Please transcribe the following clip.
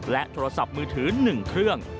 โทรศัพท์มือถือ๑เครื่อง